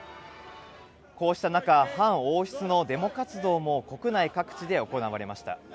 こうした中、反王室のデモ活動も国内各地で行われました。